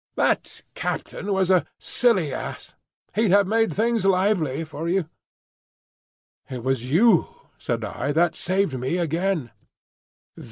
That captain was a silly ass. He'd have made things lively for you." "It was you," said I, "that saved me again."